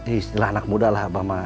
istilah anak muda lah abah mah